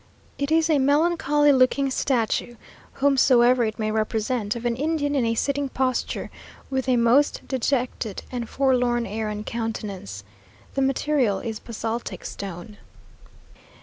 It is a melancholy looking statue, whomsoever it may represent, of an Indian in a sitting posture, with a most dejected and forlorn air and countenance. The material is basaltic stone.